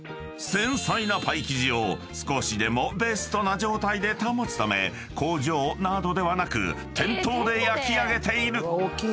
繊細なパイ生地を少しでもベストな状態で保つため工場などではなく店頭で焼き上げている］